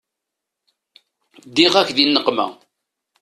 Ddiɣ-ak di nneqma.